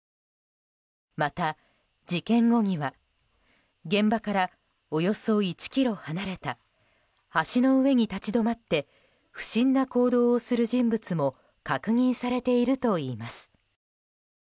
また、事件後には現場からおよそ１ｋｍ離れた橋の上に立ち止まって不審な行動をする人物も確認されているといいます。